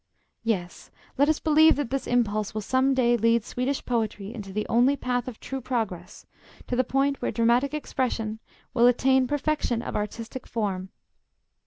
Yes, let us believe that this impulse will some day lead Swedish poetry into the only path of true progress, to the point where dramatic expression will attain perfection of artistic form.